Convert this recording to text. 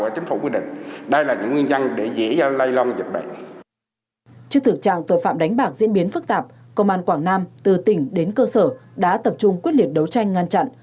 trong điều kiện diễn biến phức tạp công an quảng nam từ tỉnh đến cơ sở đã tập trung quyết liệt đấu tranh ngăn chặn